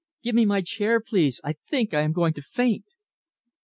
Give me my chair, please. I think that I am going to faint."